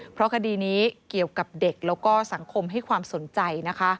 เพราะคดีนี้เกี่ยวกับเด็กแล้วก็สังคมให้ความสนใจนะคะ